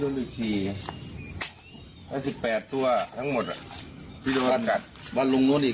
โดนอีกสี่สิบแปดตัวทั้งหมดที่โดนวันลุงนู้นอีก